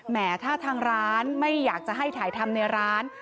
แม้ถ้าทางร้านไม่อยากจะให้ถ่ายทำในร้าน